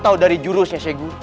atau dari jurusnya syekh guri